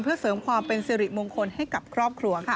เพื่อเสริมความเป็นสิริมงคลให้กับครอบครัวค่ะ